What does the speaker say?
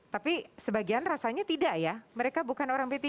tapi sebagian rasanya tidak ya mereka bukan orang p tiga